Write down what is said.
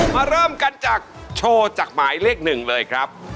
เริ่มกันจากโชว์จากหมายเลขหนึ่งเลยครับ